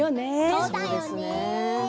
そうだよね。